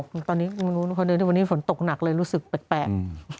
อืมตอนนี้มีคนเดินไปวันนี้ฝนตกหนักเลยรู้สึกแปลก